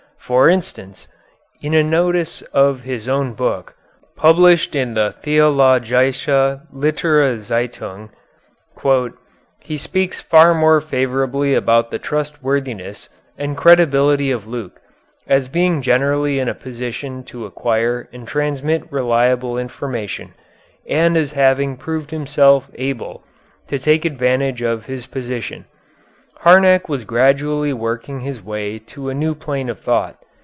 For instance, in a notice of his own book, published in the Theologische Literaturzeitung, "he speaks far more favorably about the trustworthiness and credibility of Luke, as being generally in a position to acquire and transmit reliable information, and as having proved himself able to take advantage of his position. Harnack was gradually working his way to a new plane of thought.